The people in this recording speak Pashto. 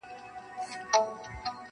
خو تېروتني تکرارېږي-